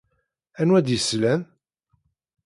Anwa d yeslan?